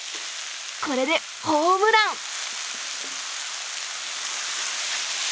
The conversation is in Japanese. これでホームラン。